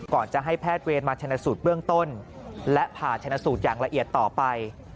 ก่อนจะให้แพทย์เวรมาชนะสูตรเบื้องต้นและผ่าชนะสูตรอย่างละเอียดต่อไป